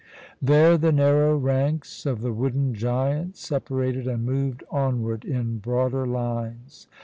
There the narrow ranks of the wooden giants separated and moved onward in broader lines.